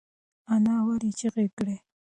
انا ولې چیغه کړه؟